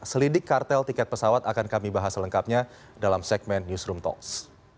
selidik kartel tiket pesawat akan kami bahas selengkapnya dalam segmen newsroom talks